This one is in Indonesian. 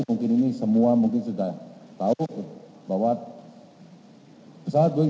mungkin ini semua sudah tahu bahwa pesawat boeing tujuh ratus tiga puluh tujuh lima ratus